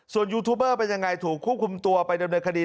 ส่วนยูทูบเบอร์เป็นยังไงถูกควบคุมตัวไปดำเนินคดี